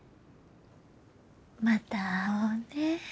また会おうね。